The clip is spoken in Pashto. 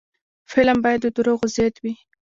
فلم باید د دروغو ضد وي